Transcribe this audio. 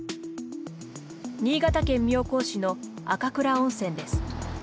新潟県妙高市の赤倉温泉です。